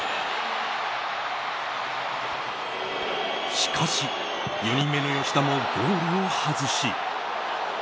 しかし４人目の吉田もゴールを外し。